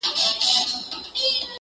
که رضا وي که په زور وي زې کوومه.